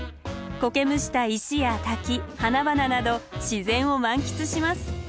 こけむした石や滝花々など自然を満喫します。